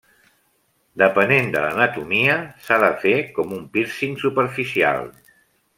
Depenent de l'anatomia, s'ha de fer com un pírcing superficial.